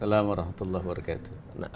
waalaikumsalam warahmatullahi wabarakatuh